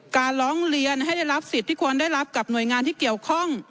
การร้องเรียนให้ได้รับสิทธิ์ที่ควรได้รับกับหน่วยงานที่เกี่ยวข้อง